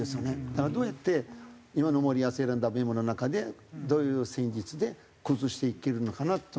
だからどうやって今の森保が選んだメンバーの中でどういう戦術で崩していけるのかなと。